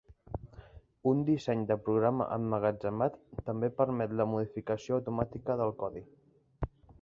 Un disseny de programa emmagatzemat també permet la modificació automàtica del codi.